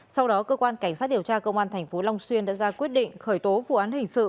sau đó cơ quan cảnh sát điều tra công an tp long xuyên đã ra quyết định khởi tố vụ án hình sự